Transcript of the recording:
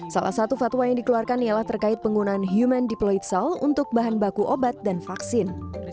salah satu fatwa yang dikeluarkan ialah terkait penggunaan human deploid cell untuk bahan baku obat dan vaksin